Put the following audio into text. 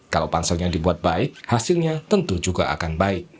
kalau panselnya dibuat baik hasilnya tentu juga akan baik